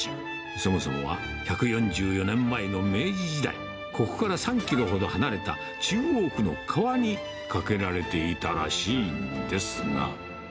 そもそもは、１４４年前の明治時代、ここから３キロほど離れた中央区の川に架けられていたらしいんですが。